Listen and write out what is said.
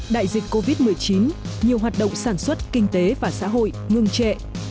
đại dịch covid một mươi chín nhiều hoạt động sản xuất kinh tế và xã hội ngừng trệ